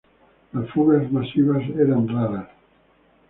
Las fugas masivas eran raras.